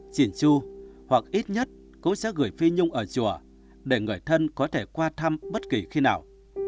chỉn chu hoặc ít nhất cũng sẽ gửi phi nhung ở chùa để người thân có thể qua thăm bất kỳ khi nào